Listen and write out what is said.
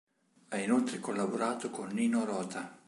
Ha inoltre collaborato con Nino Rota.